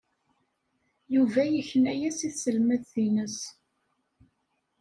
Yuba yekna-as i tselmadt-nnes.